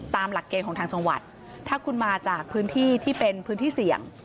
หลักเกณฑ์ของทางจังหวัดถ้าคุณมาจากพื้นที่ที่เป็นพื้นที่เสี่ยง